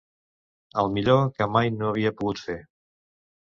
El millor que mai no havia pogut fer.